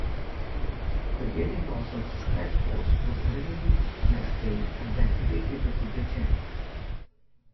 Brigadier Lawson's scratch force was relieved next day and then evacuated to Britain.